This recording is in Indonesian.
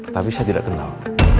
tapi saya tidak kenal